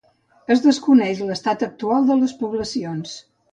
Es desconeix l'estat actual de les poblacions.